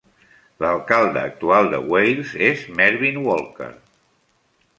L'alcalde actual de Weirs és Mervin Walker.